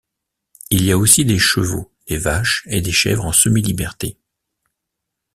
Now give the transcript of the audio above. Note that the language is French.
Il y a aussi des chevaux, des vaches et des chèvres en semi-liberté.